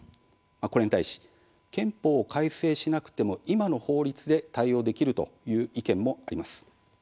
これに対し憲法を改正しなくても今の法律で対応できるという意見もあります。